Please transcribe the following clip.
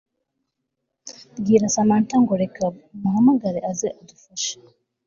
mbwira Samantha ngo reka muhamagare aze adufashe